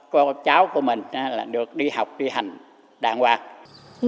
cô cháu của mình được đi học đi hành đàng hoàng